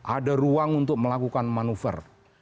ada ruang untuk melakukan manuver